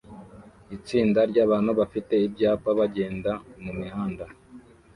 itsinda ryabantu bafite ibyapa bagenda mumihanda